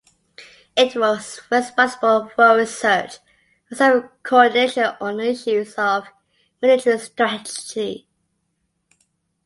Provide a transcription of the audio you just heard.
It was responsible for research, and some co-ordination, on issues of military strategy.